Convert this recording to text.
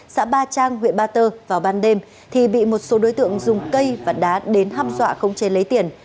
xã ba trang huyện ba tơ vào ban đêm thì bị một số đối tượng dùng cây và đá đến hâm dọa khống chế lấy tiền